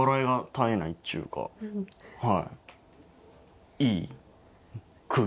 はい。